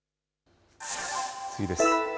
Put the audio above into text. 次です。